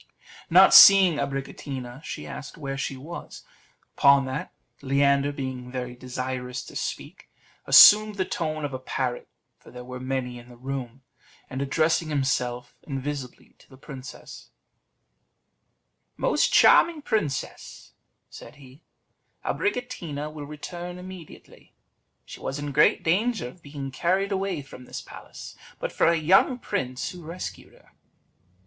Not seeing Abricotina, she asked where she was. Upon that, Leander, being very desirous to speak, assumed the tone of a parrot, for there were many in the room; and addressing himself invisibly to the princess, "Most charming princess," said he, "Abricotina will return immediately. She was in great danger of being carried away from this palace, but for a young prince who rescued her."